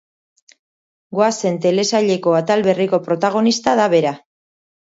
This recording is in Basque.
Goazen telesaileko atal berriko protagonista da bera.